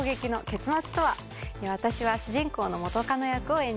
私は主人公の元カノ役を演じました。